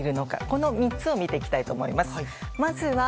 この３つを見ていきたいと思います。